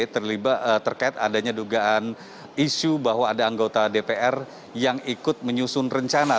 terlibat terkait adanya dugaan isu bahwa ada anggota dpr yang ikut menyusun rencana